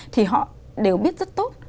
thì họ đều biết rất tốt